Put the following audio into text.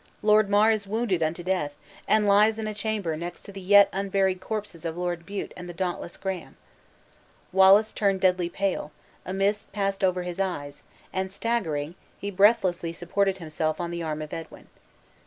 Lord Mar is wounded unto death, and lies in a chamber next to the yet unburied corpses of Lord Bute and the dauntless Graham." Wallace turned deadly pale; a mist passed over his eyes, and staggering, he breathlessly supported himself on the arm of Edwin.